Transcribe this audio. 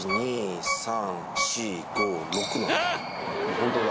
ホントだ。